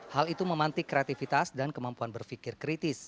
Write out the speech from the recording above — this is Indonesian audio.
hal itu memantik kreativitas dan kemampuan berpikir kritis